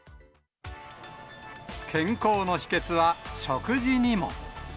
健康の秘けつは食事にも。